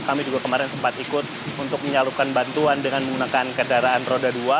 kami juga kemarin sempat ikut untuk menyalurkan bantuan dengan menggunakan kendaraan roda dua